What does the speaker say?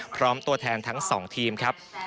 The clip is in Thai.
พร้อมตัวแทนทั้ง๒ทีมครับ